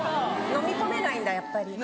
のみ込めないんだやっぱり。